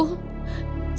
saya sudah merepotkan